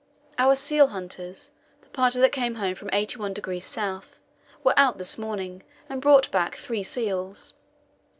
Our seal hunters the party that came home from 81° S. were out this morning, and brought back three seals.